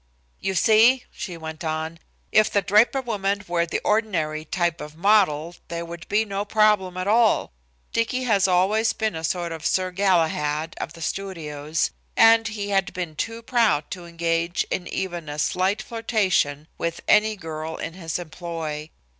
"You see," she went on, "If the Draper woman were the ordinary type of model there would be no problem at all. Dicky has always been a sort of Sir Galahad of the studios and he had been too proud to engage in even a slight flirtation with any girl in his employ.